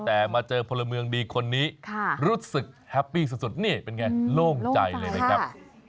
แต่มาเจอพลเมืองดีคนนี้รู้สึกแฮปปี้สุดนี่เป็นไงโล่งใจเลยนะครับ